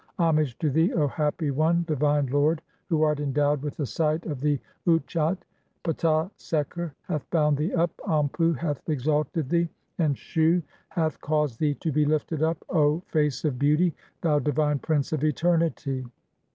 "Homage to thee, O "happy one, divine lord, who art endowed with the sight of "the UtchatQ), (4) Ptah Seker hath bound thee up, Anpu hath "exalted thee, and Shu hath caused thee to be lifted up, O (5) "Face of beauty, thou divine prince of eternity.